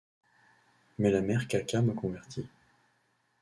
Mais la mère Caca m’a converti...